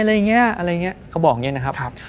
อะไรอย่างเงี้ยอะไรอย่างเงี้ยเขาบอกอย่างเงี้ยนะครับครับ